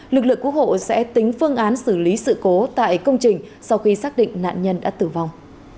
lực lượng cứu hộ sẽ tính phương án xử lý sự cố tại công trình sau khi xác định nạn nhân đã tử vong